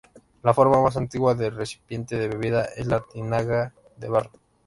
La forma más antigua de recipiente de bebida es la tinaja de barro.